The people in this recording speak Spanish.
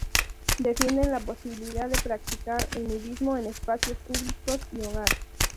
Defienden la posibilidad de practicar el nudismo en espacios públicos y Hogar.